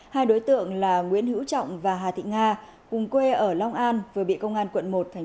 hai đối tượng là nguyễn hữu trọng và hà thị nga cùng quê ở long an vừa bị công an quận một